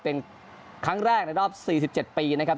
เป็นครั้งแรกในรอบ๔๗ปีนะครับ